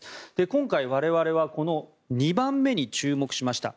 今回、我々はこの２番目に注目しました。